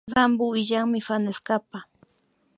Sampo illanmi fanestapa